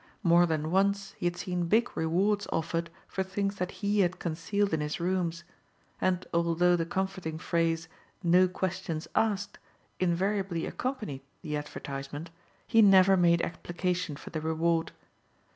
More than once he had seen big rewards offered for things that he had concealed in his rooms. And although the comforting phrase, "No questions asked" invariably accompanied the advertisement, he never made application for the reward.